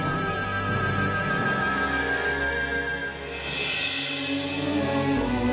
hobby bukti bawanguler setengahnya